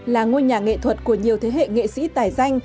là ngôi nhà nghệ thuật của nhiều thế hệ nghệ sĩ tài danh